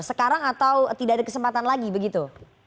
sekarang atau tidak ada kesempatan lagi begitu